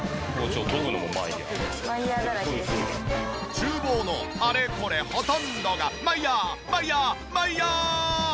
厨房のあれこれほとんどがマイヤーマイヤーマイヤー！